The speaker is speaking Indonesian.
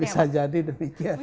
bisa jadi demikian